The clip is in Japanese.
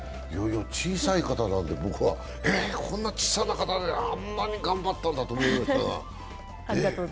小さい方なんで、え、こんな小さい方で、あんなに頑張ったんだと思いましたが。